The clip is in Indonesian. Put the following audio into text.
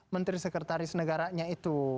menteri sekretaris negaranya itu